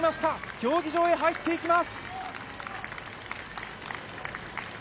競技場へ入っていきます。